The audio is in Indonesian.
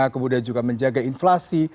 kemudian juga menjaga inflasi